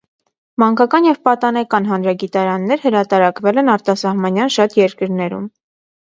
Մանկական և պատանեկան հանրագիտարաններ հրատարակվել են արտասահմանյան շատ երկրներում։